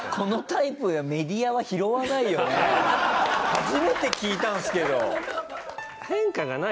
初めて聞いたんですけど。